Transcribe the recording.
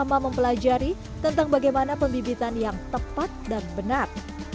selama mempelajari tentang bagaimana pembibitan yang tepat dan benar